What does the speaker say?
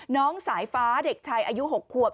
น้องสายฟ้าเด็กชายอายุ๖ขวบ